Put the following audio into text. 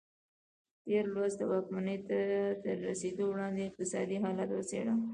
تېر لوست د واکمنۍ ته تر رسېدو وړاندې اقتصادي حالت وڅېړه.